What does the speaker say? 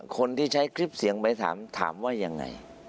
คนที่ใช้คลิปเสียงไปถามถามว่ายังไง